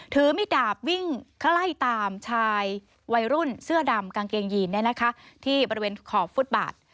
มิดดาบวิ่งไล่ตามชายวัยรุ่นเสื้อดำกางเกงยีนที่บริเวณขอบฟุตบาท